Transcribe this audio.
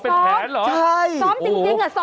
โอ้โหโอ้โห